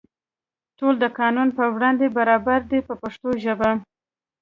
ټول د قانون په وړاندې برابر دي په پښتو ژبه.